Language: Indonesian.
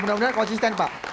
mudah mudahan konsisten pak